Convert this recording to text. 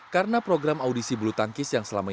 karena program audisi bulu tangkis yang selalu diperoleh